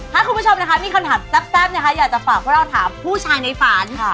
ถ้าคุณผู้ชมนะคะมีคำถามแซ่บนะคะอยากจะฝากพวกเราถามผู้ชายในฝัน